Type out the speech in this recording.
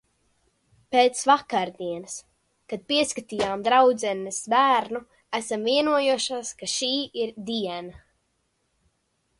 Pēc vakardienas. Kad pieskatījām draudzenes bērnu, esam vienojušās, ka šī ir diena.